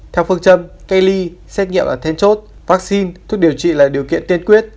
theo phương châm cây ly xét nghiệm là thêm chốt vaccine thuốc điều trị là điều kiện tiên quyết